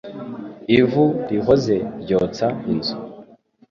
Ivu rihoze ryotsa inzu